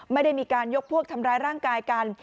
ไม่ได้มีการยกพวกทำร้ายร่างกายกัน